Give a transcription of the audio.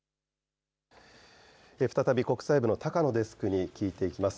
再び国際部の高野デスクに聞いていきます。